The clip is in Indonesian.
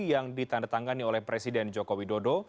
yang ditandatangani oleh presiden jokowi dodo